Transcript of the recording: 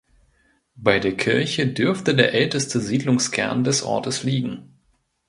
Bei der Kirche dürfte der älteste Siedlungskern des Ortes liegen.